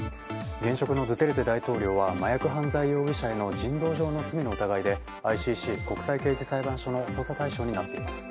現職のドゥテルテ大統領は麻薬犯罪容疑者への人道上の罪の疑いでＩＣＣ・国際刑事裁判所の捜査対象になっています。